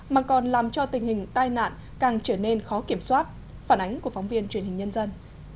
mà còn làm cho tình hình tai nạn càng trở nên khó kiểm soát phản ánh của phóng viên truyền hình nhân dân